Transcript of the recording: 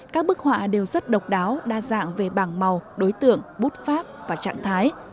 các bức họa đều rất độc đáo đa dạng về bảng màu đối tượng bút pháp và trạng thái